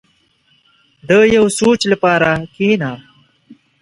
• د یو سوچ لپاره کښېنه.